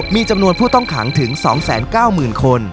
มีจำนวนผู้ต้องขังถึง๒๙๐๐๐คน